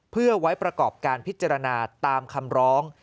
เพื่อไว้ประกอบการพิจารณาตามคำร้อง